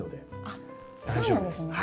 あっそうなんですね。